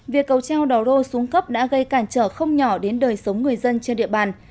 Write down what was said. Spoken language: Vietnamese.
việc cầu treo đò rô xuống cấp đã gây cản trở không nhỏ đến đời sống người dân trên địa bàn